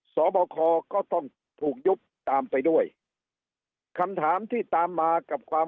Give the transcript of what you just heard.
สอบคอก็ต้องถูกยุบตามไปด้วยคำถามที่ตามมากับความ